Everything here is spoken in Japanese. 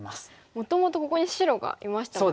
もともとここに白がいましたもんねさっきの図は。